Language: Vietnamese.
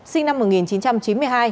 sinh năm một nghìn chín trăm chín mươi hai